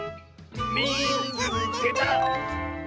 「みいつけた！」。